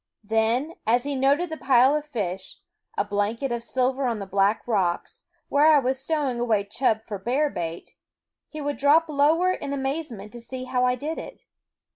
Then, as he noted the pile of fish, a blanket of silver on the black rocks, where I was stowing away chub for bear bait, he would drop lower in amaze ment to see how I did it.